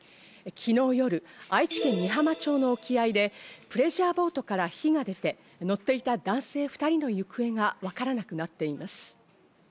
昨日夜、愛知県美浜町の沖合でプレジャーボートから火が出て、乗っていた男性２人の行方がわからなくなっています。